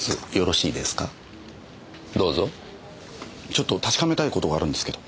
ちょっと確かめたい事があるんですけど。